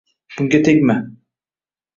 “Bunga tegma!